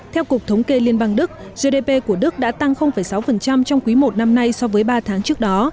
theo cục thống kê liên bang đức gdp của đức đã tăng sáu trong quý i năm nay so với ba tháng trước đó